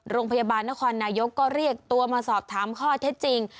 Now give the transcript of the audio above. โรงพยาบาลนครนายกก็เรียกตัวมาสอบถามข้อเท็จจริง